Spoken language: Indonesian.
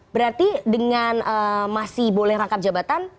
berarti dengan masih boleh rangkap jabatan